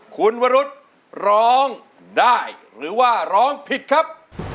คุณวรุษร้องได้หรือว่าร้องผิดครับ